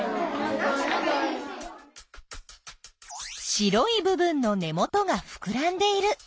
白い部分の根元がふくらんでいる。